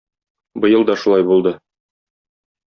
Быел да шулай булды.